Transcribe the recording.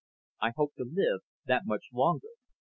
I hope to live that much longer."